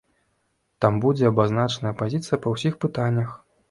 Там будзе абазначаная пазіцыя па ўсіх пытаннях.